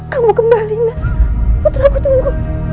kamu kembali putraku tunggu